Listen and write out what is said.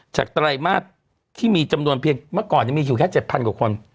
ไตรมาสที่มีจำนวนเพียงเมื่อก่อนมีอยู่แค่๗๐๐กว่าคน